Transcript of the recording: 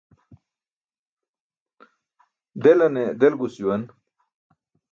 Delaṅe delgus juwan.